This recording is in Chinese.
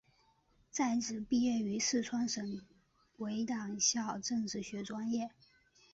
在职毕业于四川省委党校政治学专业。